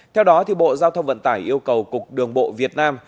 theo đó bộ giao thông vận tải yêu cầu cục đường bộ việt nam